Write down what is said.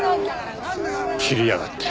切りやがった。